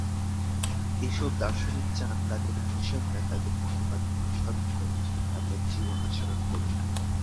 এসব দার্শনিক চান তাঁদের অনুসারীরা তাঁদের মতবাদ অনুসরণ করে তাঁদের জীবনাচরণ করুক।